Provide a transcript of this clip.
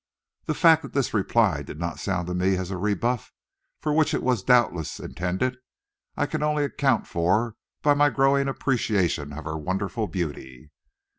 The fact that this reply did not sound to me as a rebuff, for which it was doubtless intended, I can only account for by my growing appreciation of her wonderful beauty.